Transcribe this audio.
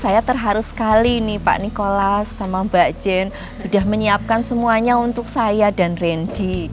saya terharu sekali nih pak nikolas sama mbak jen sudah menyiapkan semuanya untuk saya dan ranji